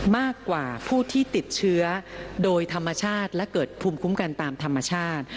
มากกว่าผู้ที่ติดเชื้อโดยธรรมชาติและเกิดภูมิคุ้มกันตามธรรมชาติ